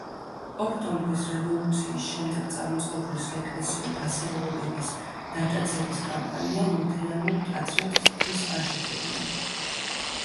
ოქტომბრის რევოლუციის შემდეგ წამოწყებული საეკლესიო ფასეულობების დატაცების კამპანია ლუთერანულ ტაძრებს თითქმის არ შეხებია.